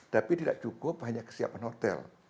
tapi tidak cukup hanya kesiapan hotel